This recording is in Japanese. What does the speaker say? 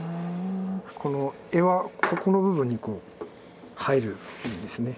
この柄はここの部分に入るんですね。